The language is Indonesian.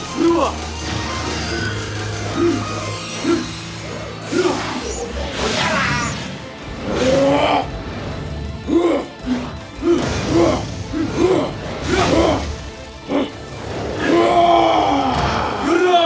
tapi malah mereka l stereotype bahwa berkah